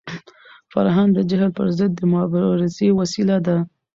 فرهنګ د جهل پر ضد د مبارزې وسیله ده.